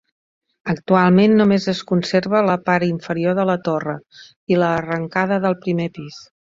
Actualment només es conserva la part inferior de la torre i l'arrencada del primer pis.